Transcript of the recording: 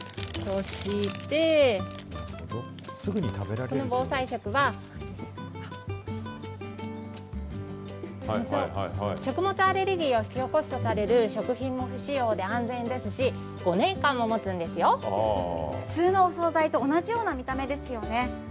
そして、この防災食は、食物アレルギーを引き起こすとされる食品も不使用で安全ですし、普通のお総菜と同じような見た目ですよね。